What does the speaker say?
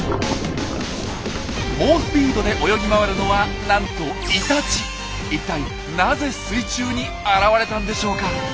猛スピードで泳ぎ回るのはなんと一体なぜ水中に現れたんでしょうか？